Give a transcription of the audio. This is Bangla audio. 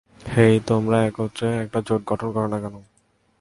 হেই, তোমরা একত্রে একটা জোট গঠন করো না কেন?